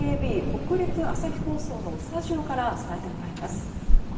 北陸朝日放送のスタジオから伝えてもらいます。